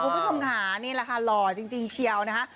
คุณผู้ชมค่ะนี่แหละค่ะหล่อจริงเชียวนะคะ